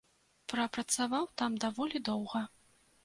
Прапрацаваў там даволі доўга.